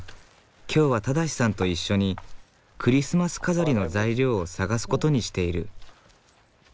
きょうは正さんと一緒にクリスマス飾りの材料を探す事にしている。